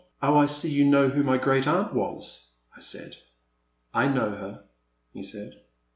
Oh, I see you know who my great aunt was," I said. I know her," he said.